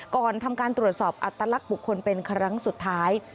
ก่อนทำการตรวจสอบอัตลักษณ์บุคคลเป็นครั้งสุดท้าย